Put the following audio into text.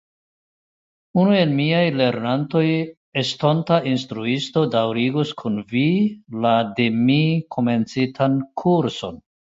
Unu el miaj lernantoj, estonta instruisto, daŭrigos kun vi la de mi komencitan kurson.